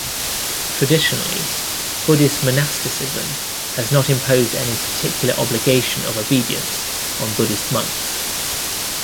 Traditionally, Buddhist monasticism has not imposed any particular obligation of obedience on Buddhist monks.